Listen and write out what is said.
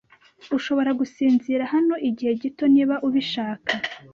Ushobora gusinzira hano igihe gito niba ubishaka